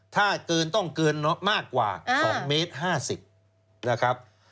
ถ้าเกินต้องเกินมากกว่า๒เมตร๕๐นะครับ